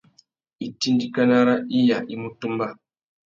Itindikana râ iya i mú tumba.